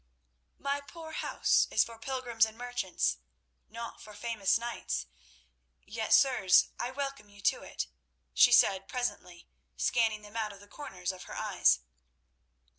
"My poor house is for pilgrims and merchants, not for famous knights; yet, sirs, I welcome you to it," she said presently, scanning them out of the corners of her eyes.